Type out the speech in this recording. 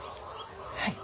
はい。